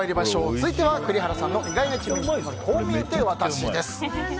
続いては、栗原さんの意外な一面こう見えてワタシです。